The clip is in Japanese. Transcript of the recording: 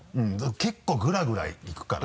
結構グラグラいくから。